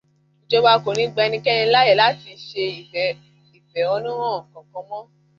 Ìjọba kò ní gba ẹnikẹ́ni láàyè láti ṣe ìfẹ̀hónúhàn kankan mọ́.